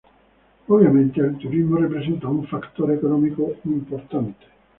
Obviamente el turismo representa un factor económico importante.